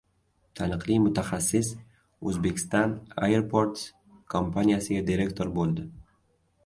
Taniqli mutaxassis Uzbekistan Airports kompaniyasiga direktor bo‘ldi